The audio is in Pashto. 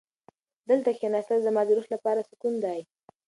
دلته کښېناستل زما د روح لپاره سکون دی.